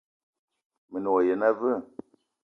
Me ne wa yene aveu?